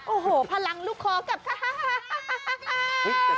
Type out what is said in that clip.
โอ้โหพลังลูกคอกับฮ่าฮ่าฮ่า